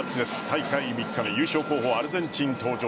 大会３日目優勝候補・アルゼンチン登場。